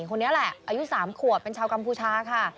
คนนี้แหละอายุ๓ขวบเป็นชาวกัมพูชาค่ะ